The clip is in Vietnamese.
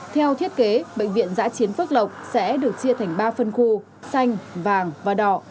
theo thiết kế bệnh viện giã chiến phước lộc sẽ được chia thành ba phân khu xanh vàng và đỏ